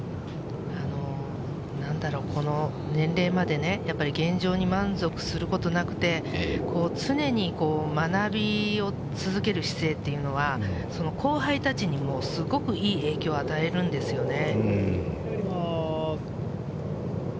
なんだろ、この年齢まで、やっぱり現状に満足することなくて、常にこう、学びを続ける姿勢というのは、後輩たちにもすごくいい影響を与えるんですよね。